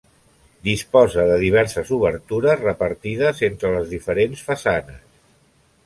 Disposa de diverses obertures repartides entre les diferents façanes.